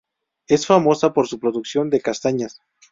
Es famosa por su producción de castañas.